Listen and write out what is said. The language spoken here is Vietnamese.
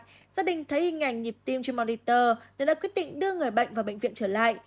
gia đình thấy hình ảnh nhịp tim cho moneter nên đã quyết định đưa người bệnh vào bệnh viện trở lại